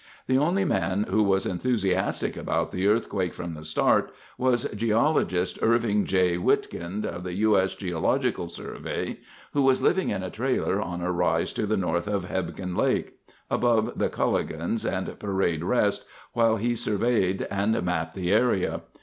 The only man who was enthusiastic about the earthquake from the start was geologist Irving J. Witkind of the U. S. Geological Survey, who was living in a trailer on a rise to the north of Hebgen Lake, above the Culligans and Parade Rest, while he surveyed and mapped the area.